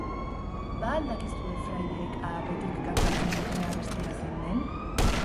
Ba al dakizue fraideek ahapetik kantatzen duten abestia zein den?